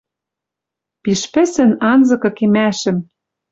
Пиш пӹсӹн анзыкы кемӓшӹм